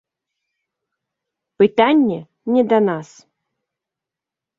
Пытанне не да нас.